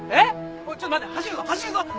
おいちょっと待て走るぞ走るぞ。